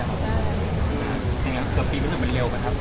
ดังนั้นเกือบปีไม่ได้มันเร็วกันครับ